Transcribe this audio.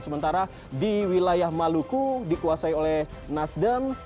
sementara di wilayah maluku dikuasai oleh nasdem